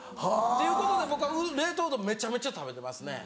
ということで僕は冷凍うどんめちゃめちゃ食べてますね。